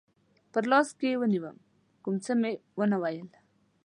په لاس کې ونیو، کوم څه مې و نه ویل.